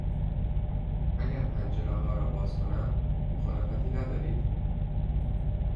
اگر پنجرهها را باز کنم مخالفتی ندارید؟